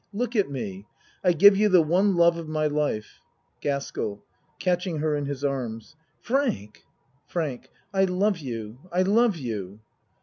Look at me. I give you the one love of my life. GASKELL (Catching her in his arms.) Frank! FRANK I love you. I love you.